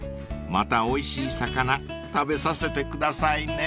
［またおいしい魚食べさせてくださいね］